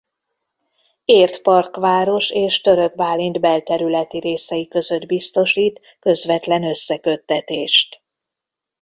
Érd–Parkváros és Törökbálint belterületi részei között biztosít közvetlen összeköttetést.